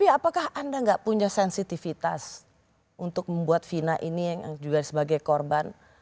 apakah anda nggak punya sensitivitas untuk membuat vina ini yang juga sebagai korban